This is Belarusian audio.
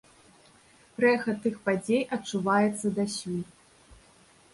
Рэха тых падзей адчуваецца дасюль.